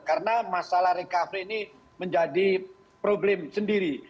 karena masalah recovery ini menjadi problem sendiri